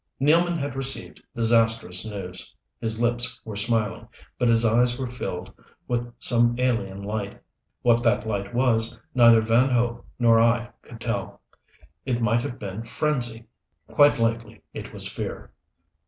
Nealman had received disastrous news. His lips were smiling, but his eyes were filled with some alien light. What that light was neither Van Hope nor I could tell. It might have been frenzy. Quite likely it was fear.